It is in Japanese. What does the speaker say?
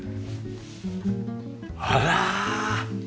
あら！